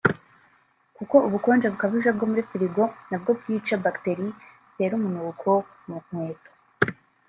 kuko ubukonje bukabije bwo muri frigo nabwo bwica bacteries zitera umunuko mu nkweto